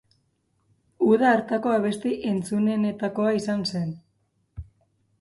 Uda hartako abesti entzunenetakoa izan zen.